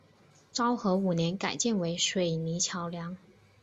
昭和五年改建为水泥桥梁。